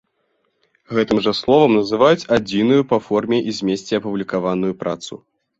Гэтым жа словам называюць адзіную па форме і змесце апублікаваную працу.